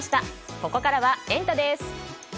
ここからはエンタ！です。